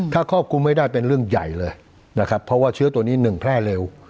ถ้าครอบคลุมไม่ได้เป็นเรื่องใหญ่เลยนะครับเพราะว่าเชื้อตัวนี้หนึ่งแพร่เร็ว